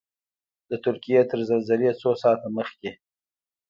د ترکیې تر زلزلې څو ساعته مخکې.